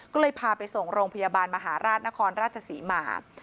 ก็เลยพาไปส่งโรงพยาบาลมหาราชนครราชศรีมา